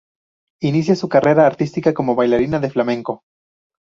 Inicia su carrera artística como bailarina de flamenco.